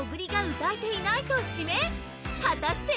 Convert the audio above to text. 果たして？